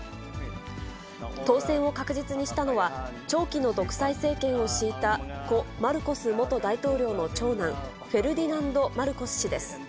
当選を確実にしたのは、長期の独裁政権を敷いた故・マルコス元大統領の長男、フェルディナンド・マルコス氏です。